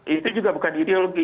itu juga bukan ideologi